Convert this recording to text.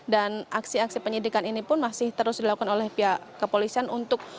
dan aksi aksi penyidikan ini pun masih terus dilakukan oleh pihak kepolisian untuk